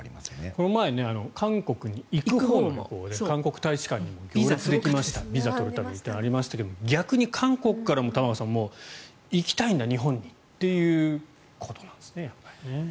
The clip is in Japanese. この前、韓国に行くほうは韓国大使館に行きましたビザ取るためにとありましたが玉川さん、逆に韓国からも行きたいんだ、日本にということなんですね。